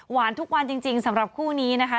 ทุกวันจริงสำหรับคู่นี้นะคะ